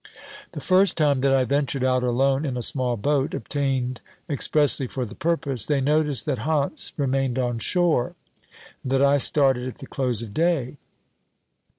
The first time that I ventured out alone in a small boat, obtained 270 OBERMANN expressly for the purpose, they noticed that Hantz re mained on shore and that I started at the close of day.